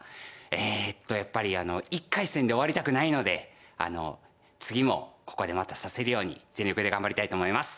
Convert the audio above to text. えとやっぱり１回戦で終わりたくないので次もここでまた指せるように全力で頑張りたいと思います。